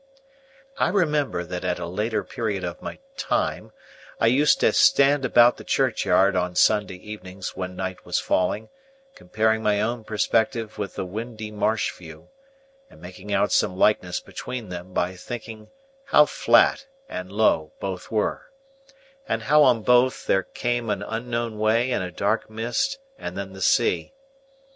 I remember that at a later period of my "time," I used to stand about the churchyard on Sunday evenings when night was falling, comparing my own perspective with the windy marsh view, and making out some likeness between them by thinking how flat and low both were, and how on both there came an unknown way and a dark mist and then the sea.